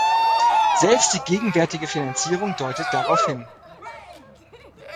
Selbst die gegenwärtige Finanzierung deutet darauf hin.